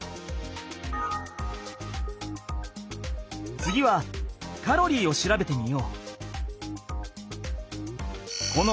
次はカロリーを調べてみよう。